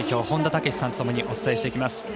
本田武史さんとともにお伝えしていきます。